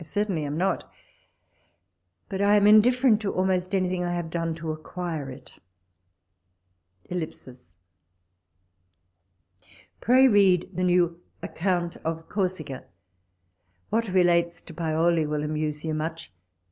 I certainly am not, but I am indifferent to almost anything I have done to acquire it. ... Pray read the new Account of Corsica. What relates to Paoli will amuse you much.